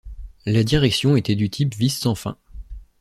La direction était du type vis sans fin.